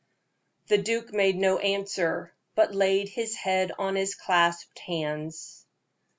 The duke made no answer, but laid his head on his clasped hands.